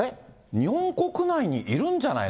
日本国内にいるんじゃないの？